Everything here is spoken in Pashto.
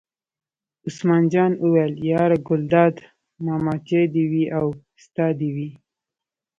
عثمان جان وویل: یار ګلداد ماما چای دې وي او ستا دې وي.